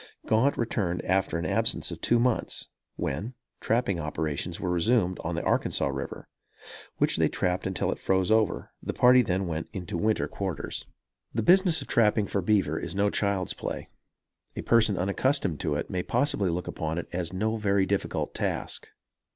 Gaunt returned after an absence of two months; when, trapping operations were resumed on the Arkansas River, which they trapped until it froze over. The party then went into Winter Quarters. The business of trapping for beaver is no child's play. A person unaccustomed to it may possibly look upon it as no very difficult task.